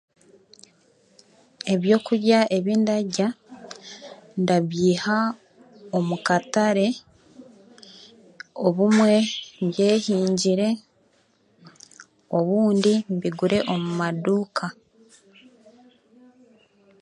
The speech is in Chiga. Ebyokurya ebi ndadya ndabiiha omu katare, obumwe mbyehingire obundi mbigure omu maduuka.